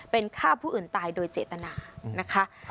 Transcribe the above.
เป็นฆ่าผู้อื่นตายโดยเจตนานะคะ